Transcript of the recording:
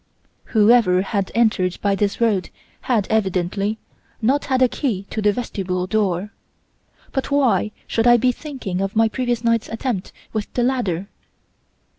Whoever had entered by this road had, evidently, not had a key to the vestibule door. But why should I be thinking of my previous night's attempt with the ladder?